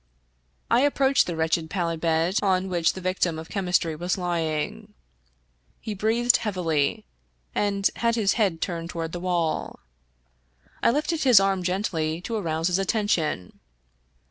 I approached the wretched pallet bed on which the vic tim of chemistry was lying. He breathed heavily, and had his head turned toward the wall. I lifted his arm gently to arouse his attention.